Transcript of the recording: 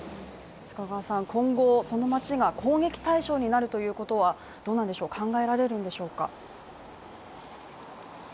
今後、その街が攻撃対象になるということは考えられるんでしょうか？